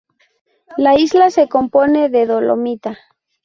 La isla se compone de dolomita.